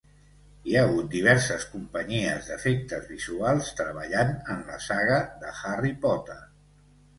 Hi ha hagut diverses companyies d’efectes visuals treballant en la saga de Harry Potter.